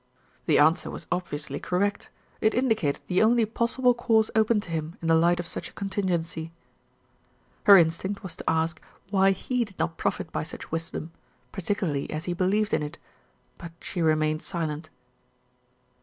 "The answer was obviously correct; it indicated the only possible course open to him in the light of such a contingency." Her instinct was to ask why he did not profit by such wisdom, particularly as he believed in it; but she remained silent.